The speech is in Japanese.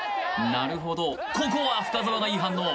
なるほどここは深澤がいい反応！